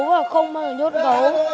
và không bao giờ nhốt gấu